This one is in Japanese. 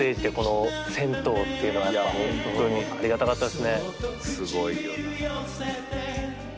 すごいよな。